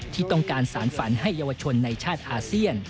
ที่ต้องการสารฝันให้เยาวชนในชาติอาเซียน